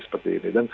nah seperti ini